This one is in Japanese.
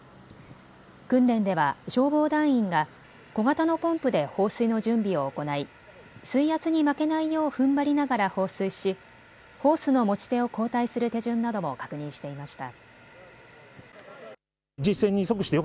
訓練では消防団員が小型のポンプで放水の準備を行い、水圧に負けないようふんばりながら放水しホースの持ち手を交代する手順なども確認していました。